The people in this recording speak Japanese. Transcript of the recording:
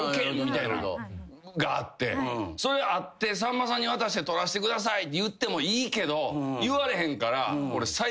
それ会ってさんまさんに渡して「撮らしてください」って言ってもいいけど言われへんから。